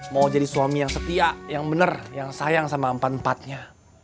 mau jadi suami yang setia yang benar yang sayang sama empat empatnya